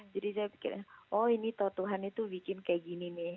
jadi saya pikir oh ini toh tuhan itu bikin kayak gini nih